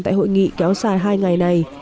tại hội nghị kéo dài hai ngày này